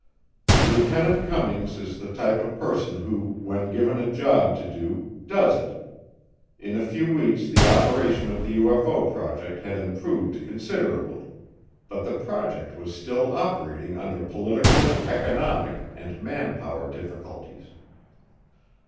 Lieutenant Cummings is the type of person who when given a job to do does it. In a few weeks the operation of the UFO project had improved considerably. But the project was still operating under political, economic, and manpower difficulties.